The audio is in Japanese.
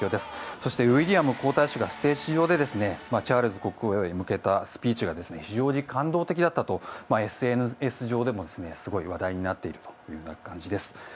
そしてウィリアム皇太子がステージ上でチャールズ国王へ向けたスピーチが非常に感動的だったとＳＮＳ上でもすごい話題になっているという感じです。